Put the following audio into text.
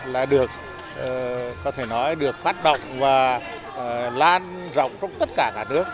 là được phát động và lan rộng trong tất cả cả nước